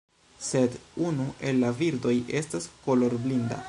Sed unu el la birdoj estas kolorblinda.